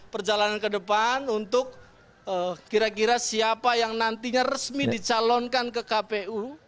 perjalanan ke depan untuk kira kira siapa yang nantinya resmi dicalonkan ke kpu